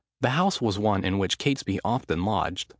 The house was one in which Catesby often lodged.